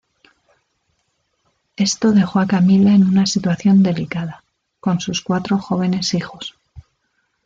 Esto dejó a camilla en una situación delicada, con sus cuatro jóvenes hijos.